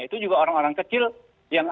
itu juga orang orang kecil yang